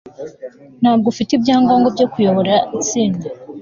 ntabwo ufite ibyangombwa byo kuyobora itsinda